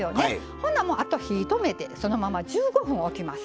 ほなもうあと火止めてそのまま１５分おきます。